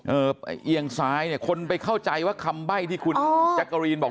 เอ่อเอียงซ้ายเนี่ยคนไปเข้าใจว่าคำใบ้ที่คุณแจ๊กกะรีนบอก